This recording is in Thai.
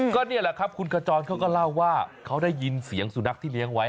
ก็นี่แหละครับคุณขจรเขาก็เล่าว่าเขาได้ยินเสียงสุนัขที่เลี้ยงไว้